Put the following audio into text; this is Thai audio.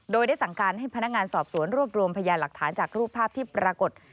โดยได้สั่งการให้พนักงานสอบสวนรวบรวมพยานหลักฐานจากรูปภาพที่ปรากฏ